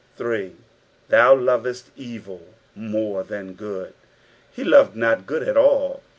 8. " TJuiu Uneat evil more than good." He loved not good' at all.